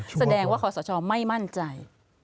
แสดงว่าขอสชไม่มั่นใจ